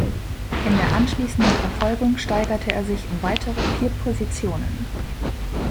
In der anschliessenden Verfolgung steigerte er sich um weitere vier Positionen.